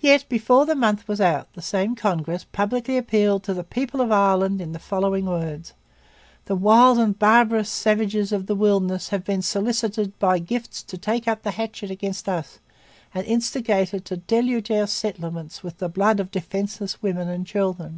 Yet, before the month was out, the same Congress publicly appealed to 'The People of Ireland' in the following words: 'The wild and barbarous savages of the wilderness have been solicited by gifts to take up the hatchet against us, and instigated to deluge our settlements with the blood of defenceless women and children.'